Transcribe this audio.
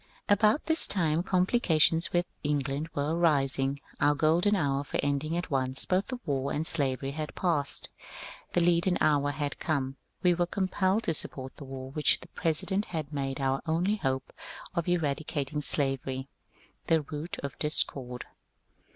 About this time oomplioations with England were arising ; our golden hour for ending at once both the war and slavery had passed. The leaden hour had come ; we were compelled to support the war which the President had made our only hope of eradicating slavery, the root of discord.